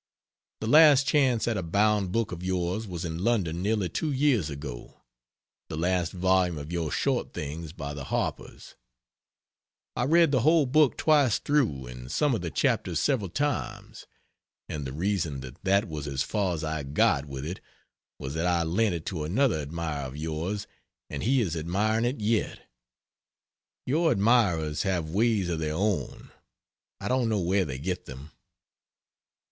The last chance at a bound book of yours was in London nearly two years ago the last volume of your short things, by the Harpers. I read the whole book twice through and some of the chapters several times, and the reason that that was as far as I got with it was that I lent it to another admirer of yours and he is admiring it yet. Your admirers have ways of their own; I don't know where they get them.